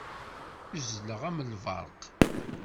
Uzzleɣ am lberq.